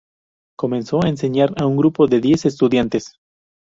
Comenzó a enseñar a un grupo de diez estudiantes.